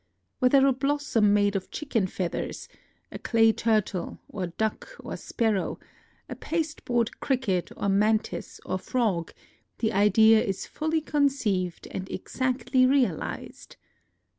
Whether a blossom made of chicken feathers, a clay turtle or duck or sparrow, a pasteboard cricket or man tis or frog, the idea is fully conceived and exactly realized.